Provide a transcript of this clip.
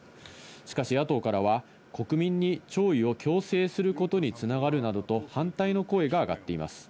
しかし野党からは国民に弔意を強制することに繋がるなどと反対の声が上がっています。